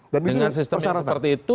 dengan sistem yang seperti itu